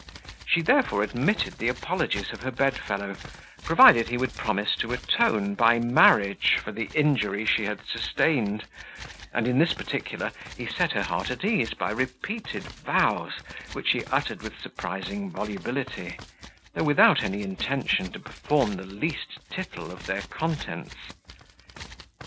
She therefore admitted the apologies of her bed fellow, provided he would promise to atone by marriage for the injury she had sustained; and in this particular he set her heart at ease by repeated vows, which he uttered with surprising volubility, though without any intention to perform the least title of their contents.